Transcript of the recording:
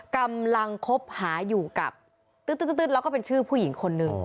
กำลังคบหาอยู่กับตึ๊ดแล้วก็เป็นชื่อผู้หญิงคนหนึ่ง